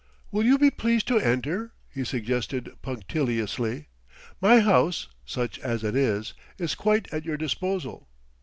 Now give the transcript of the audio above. "Will you be pleased to enter?" he suggested punctiliously. "My house, such as it is, is quite at your disposal.